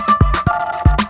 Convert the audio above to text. kau mau kemana